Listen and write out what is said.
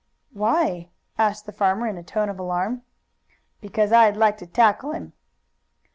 "Why?" asked the farmer in a tone of alarm. "Because I'd like to tackle him."